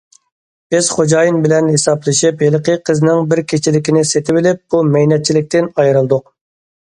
بىز خوجايىن بىلەن ھېسابلىشىپ ھېلىقى قىزنىڭ بىر كېچىلىكىنى سېتىۋېلىپ، بۇ مەينەتچىلىكتىن ئايرىلدۇق.